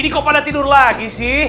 ini kok pada tidur lagi sih